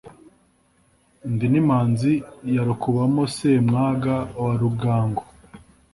Ndi n' Imanzi ya RukubamoSemwaga wa Rugango